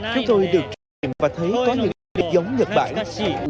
chúng tôi được trải nghiệm và thấy có những hình ảnh giống nhật bản